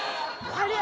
ありゃ！